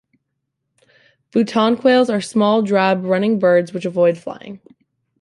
Buttonquails are small, drab, running birds, which avoid flying.